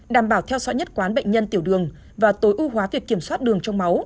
đảm bảo theo dõi nhất quán bệnh nhân tiểu đường và tối ưu hóa việc kiểm soát đường trong máu